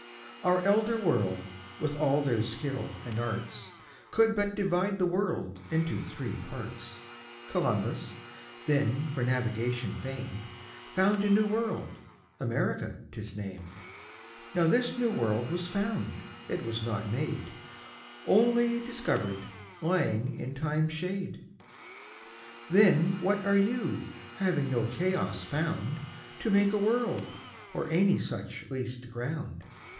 Our Elder World, with all their Skill and Arts, Could but divide the World into three Parts: Columbus, then for Navigation fam'd, Found a new World, America 'tis nam'd; Now this new World was found, it was not made, Onely discovered, lying in Time's shade. Then what are You, having no Chaos found To make a World, or any such least ground?